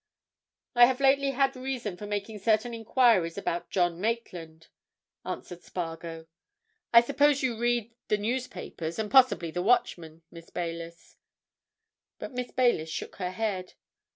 "I have lately had reason for making certain enquiries about John Maitland," answered Spargo. "I suppose you read the newspapers and possibly the Watchman, Miss Baylis?" But Miss Baylis shook her head.